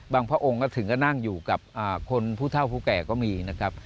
พระองค์ก็ถึงก็นั่งอยู่กับคนผู้เท่าผู้แก่ก็มีนะครับ